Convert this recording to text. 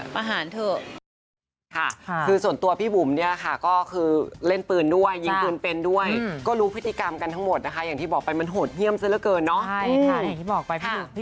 ประหารเถอะ